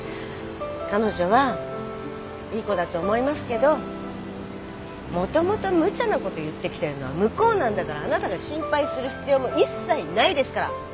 彼女はいい子だと思いますけどもともと無茶なこと言ってきてるのは向こうなんだからあなたが心配する必要も一切ないですから。